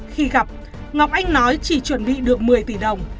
khi gặp ngọc anh nói chỉ chuẩn bị được một mươi tỷ đồng